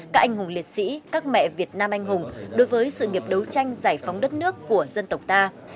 các anh hùng liệt sĩ các mẹ việt nam anh hùng đối với sự nghiệp đấu tranh giải phóng đất nước của dân tộc ta